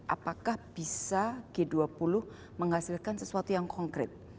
apakah bisa g dua puluh menghasilkan sesuatu yang konkret